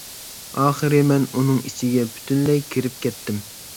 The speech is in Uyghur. ئاخىرى مەن ئۇنىڭ ئىچىگە پۈتۈنلەي كىرىپ كەتتىم.